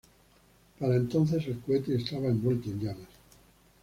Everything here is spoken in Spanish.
Para entonces el cohete estaba envuelto en llamas.